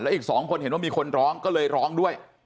อีก๒คนเห็นว่ามีคนร้องก็เลยร้องด้วย